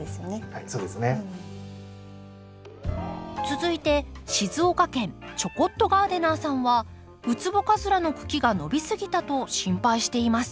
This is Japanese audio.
続いて静岡県ちょこっとガーデナーさんはウツボカズラの茎が伸びすぎたと心配しています。